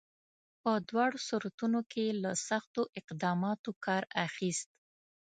په دواړو صورتونو کې یې له سختو اقداماتو کار اخیست.